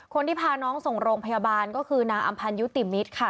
คนที่พาน้องส่งโรงพยาบาลก็คือนางอำพันยุติมิตรค่ะ